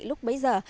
lúc bấy giờ